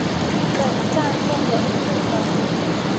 本站共有四层。